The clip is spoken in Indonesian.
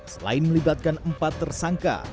selain melibatkan empat tersangka